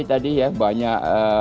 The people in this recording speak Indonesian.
tadi banyak yang melanggar